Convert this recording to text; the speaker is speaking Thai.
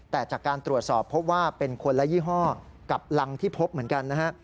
แต่จากการตรวจสอบพบว่าเป็นคนละยี่ห้อกับรังที่พบเหมือนกันนะฮะ